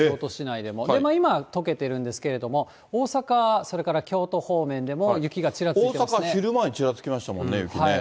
でも今はとけてるんですけれども、大阪、それから京都方面でも、雪大阪、昼前に雪、ちらつきましたもんね、雪ね。